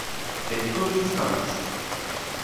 En todos os campos.